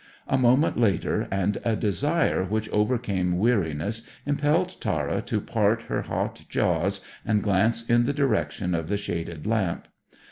A moment later, and a desire which overcame weariness impelled Tara to part her hot jaws, and glance in the direction of the shaded lamp.